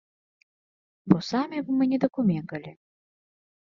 Бо самі б мы не дакумекалі.